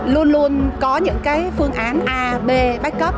luôn có những cái phương án a b backup